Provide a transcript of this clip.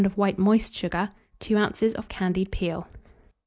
of white moist sugar, 2 oz. of candied peel.